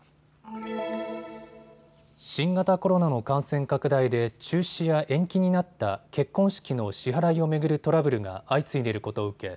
新型コロナの感染拡大で中止や延期になった結婚式の支払いを巡るトラブルが相次いでいることを受け